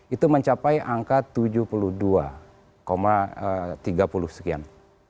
itu mencapai angka tujuh puluh dua tiga puluh sekian